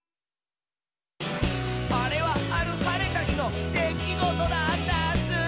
「あれはあるはれたひのできごとだったッスー」